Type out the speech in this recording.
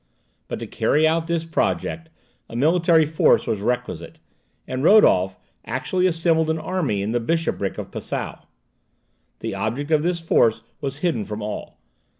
But to carry out this project, a military force was requisite, and Rodolph actually assembled an army in the bishopric of Passau. The object of this force was hidden from all.